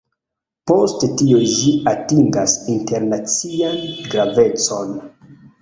Post tio ĝi atingas internacian gravecon.